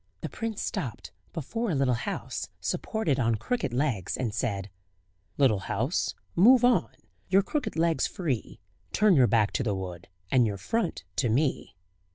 The prince stopped before a little house, supported on crooked legs, and said: "Little house, move On your crooked legs free: Turn your back to the wood, And your front to me."